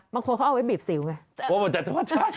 บางคนเขาเอาไว้บีบสิวไง